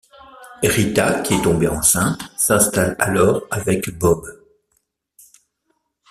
Rita qui est tombé enceinte s'installe alors avec Bob.